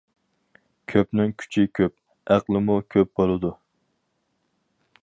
كۆپنىڭ كۈچى كۆپ، ئەقلىمۇ كۆپ بولىدۇ.